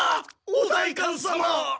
お代官様！